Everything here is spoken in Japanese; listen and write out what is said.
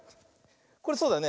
これそうだよね。